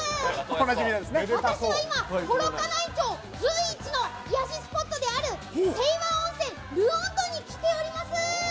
私は今、幌加内町、唯一の癒やしスポットであるせいわ温泉ルオントに来ております。